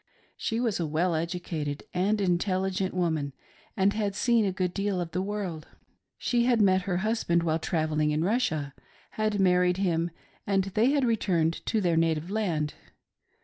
She was a well educated and intelligent woman, and had seen a good deal of the world. She had met her husband while trav elling in Russia, had married him, and they had returned to their native land.